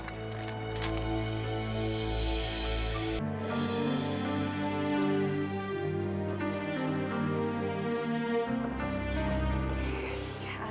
baik malam ini